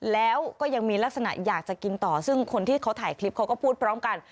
แล้วก็ยังมีลักษณะอยากจะกินต่อซึ่งคนที่เขาถ่ายคลิปเขาก็พูดพร้อมกัน